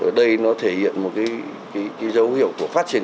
ở đây nó thể hiện một cái dấu hiệu của phát triển